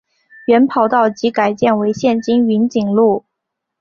原跑道即改建为现今云锦路。